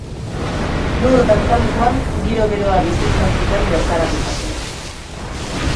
Lur dantzalekuan giro beroa bizi izan zuten bertaratutakoek.